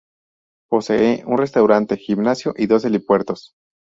Posee un restaurante, gimnasio y dos helipuertos.